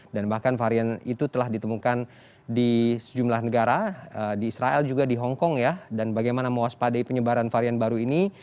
dan bahkan varian itu telah ditemukan di sejumlah negara di israel juga di hongkong ya dan bagaimana mewaspadai penyebaran varian baru ini